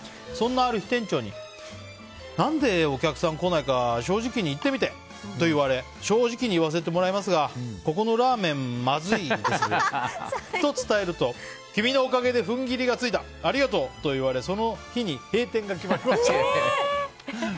そんなある日、店長に何でお客さん来ないか正直に言ってみてと言われ正直に言わせてもらいますがここのラーメンまずいですとと、伝えると君のおかげで踏ん切りがついたありがとうと言われその日に閉店が決まりました。